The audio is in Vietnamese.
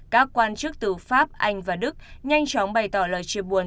các quan chức từ pháp anh và đức nhanh chóng bày tỏ lời chia buồn